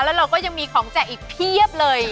แล้วเราก็ยังมีของแจกอีกเพียบเลย